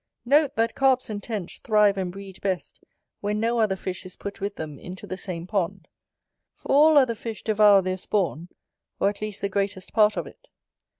Note, that Carps and Tench thrive and breed best when no other fish is put with them into the same pond; for all other fish devour their spawn, or at least the greatest part of it.